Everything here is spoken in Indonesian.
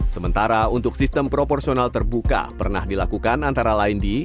sementara untuk sistem proporsional terbuka pernah dilakukan antara lain di